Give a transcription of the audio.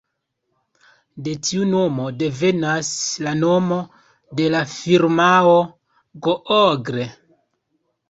De tiu nomo devenas la nomo de la firmao Google.